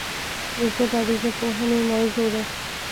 ژبه د ژبپوهنې موضوع ده